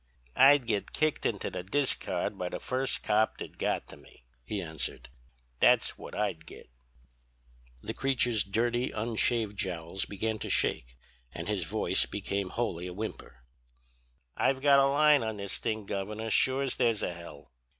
"'I'd git kicked into the discard by the first cop that got to me,' he answered, 'that's what I'd git.' "The creature's dirty, unshaved jowls began to shake, and his voice became wholly a whimper. "'I've got a line on this thing, Governor, sure as there's a hell.